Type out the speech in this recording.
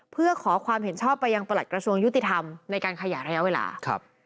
เพื่อขอความเห็นชอบไปยังประหลัดกระทรวงยุติธรรมในการขยายระยะเวลาครับ